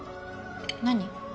何？